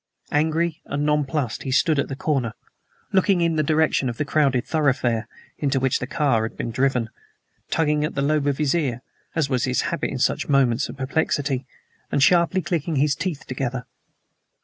Angry and nonplused he stood at the corner, looking in the direction of the crowded thoroughfare into which the car had been driven, tugging at the lobe of his ear, as was his habit in such moments of perplexity, and sharply clicking his teeth together.